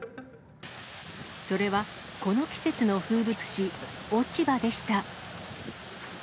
それは、この季節の風物詩、落ち葉でした。